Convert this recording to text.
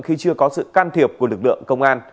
khi chưa có sự can thiệp của lực lượng